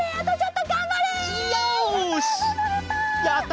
やった！